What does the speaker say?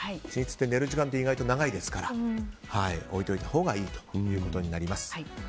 寝る時間って、意外と長いので置いておいたほうがいいということになります。